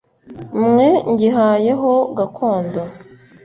mwe ngihaye ho gakondo